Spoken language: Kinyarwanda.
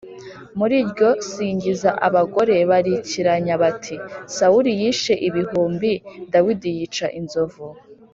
Muri iryo singiza abagore barikiranya bati “Sawuli yishe ibihumbi, Dawidi yica inzovu.”